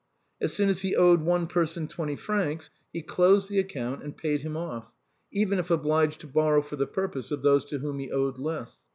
As soon as he owed one person twenty francs, he closed the account and paid him off, even if obliged to borrow for the purpose of those to whom he owed less.